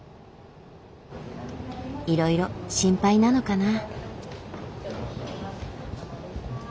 いろいろ心配なのかな。